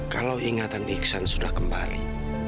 kalau ingatan iksan sudah kembali